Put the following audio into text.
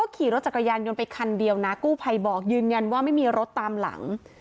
ขี่รถจักรยานยนต์ไปคันเดียวนะกู้ภัยบอกยืนยันว่าไม่มีรถตามหลัง